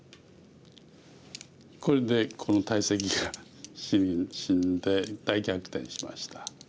これでこの大石が死んで大逆転しました。